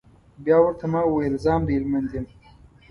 بيا ورته ما وويل زه هم د هلمند يم.